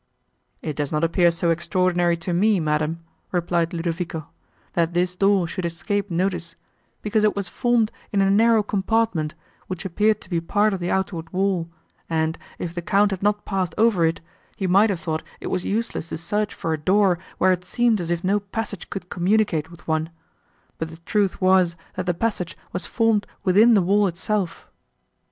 "It does not appear so extraordinary to me, madam," replied Ludovico, "that this door should escape notice, because it was formed in a narrow compartment, which appeared to be part of the outward wall, and, if the Count had not passed over it, he might have thought it was useless to search for a door where it seemed as if no passage could communicate with one; but the truth was, that the passage was formed within the wall itself.